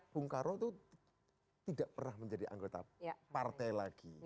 bung karno itu tidak pernah menjadi anggota partai lagi